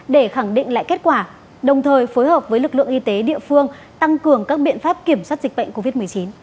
để khẳng định lại kết quả đồng thời phối hợp với lực lượng y tế địa phương tăng cường các biện pháp kiểm soát dịch bệnh covid một mươi chín